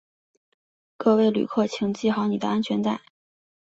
各位旅客请系好你的安全带